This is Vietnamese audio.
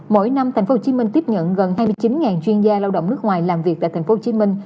mỗi năm tp hcm tiếp nhận gần hai mươi chín chuyên gia lao động nước ngoài làm việc tại tp hcm